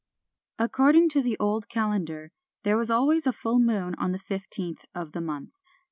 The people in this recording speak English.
^ According to the old calendar, there was always a full moon on the fifteenth of the month.